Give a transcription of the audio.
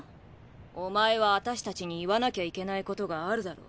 お前はあたしたちに言わなきゃいけないことがあるだろ。